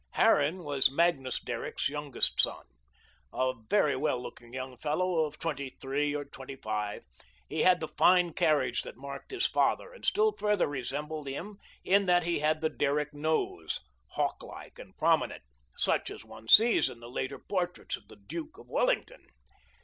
Harran was Magnus Derrick's youngest son, a very well looking young fellow of twenty three or twenty five. He had the fine carriage that marked his father, and still further resembled him in that he had the Derrick nose hawk like and prominent, such as one sees in the later portraits of the Duke of Wellington.